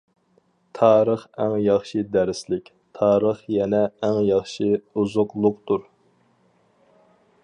تارىخ ئەڭ ياخشى دەرسلىك، تارىخ يەنە ئەڭ ياخشى ئوزۇقلۇقتۇر.